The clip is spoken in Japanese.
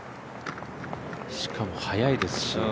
しかも速いですし。